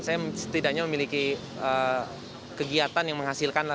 saya setidaknya memiliki kegiatan yang menghasilkan